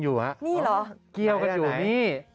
นี่เหรอเกี่ยวกันอยู่นี่